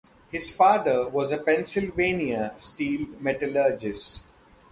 His father was a Pennsylvania steel metallurgist.